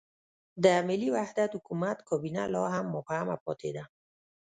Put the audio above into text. د ملي وحدت حکومت کابینه لا هم مبهمه پاتې ده.